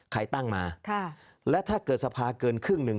ตั้งมาและถ้าเกิดสภาเกินครึ่งหนึ่ง